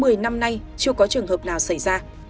từ năm nay chưa có trường hợp nào xảy ra